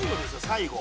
最後。